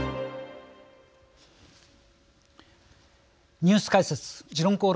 「ニュース解説時論公論」。